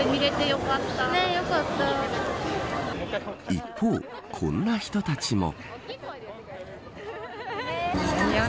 一方、こんな人たちも。